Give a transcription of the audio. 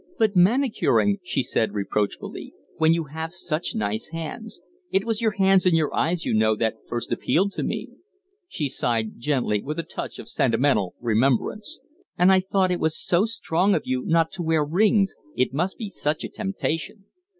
"But manicuring," she said, reproachfully, "when you have such nice hands. It was your hands and your eyes, you know, that first appealed to me." She sighed gently, with a touch of sentimental remembrance. "And I thought it so strong of you not to wear rings it must be such a temptation."